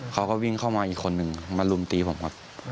เขาก็วิ่งเข้ามาอีกคนนึงมารุมตีผมครับ